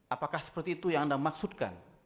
apakah seperti itu yang anda maksudkan